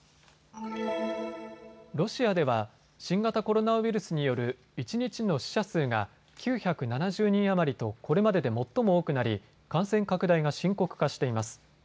ロシアでは新型コロナウイルスによる一日の死者数が９７０人余りとこれまでで最も多くなり感染拡大が深刻化しています。